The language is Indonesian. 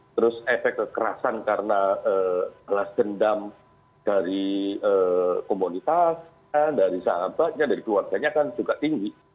terus efek kekerasan karena alas dendam dari komunitas dari sahabatnya dari keluarganya kan juga tinggi